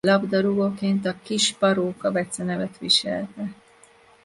Labdarúgóként a Kis Paróka becenevet viselte.